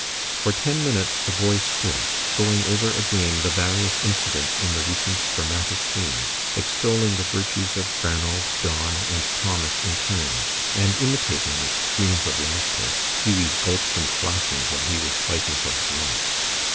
For ten minutes the boys stood going over again the various incidents in the recent dramatic scene, extolling the virtues of Ranald, Don, and Thomas in turn, and imitating, with screams of laughter, Hughie's gulps and splashings while he was fighting for his life.